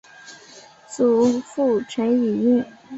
祖父陈尹英。